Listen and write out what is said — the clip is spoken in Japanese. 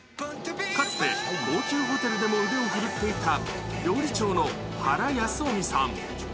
かつて高級ホテルでも腕を振るっていた、料理長の原保臣さん。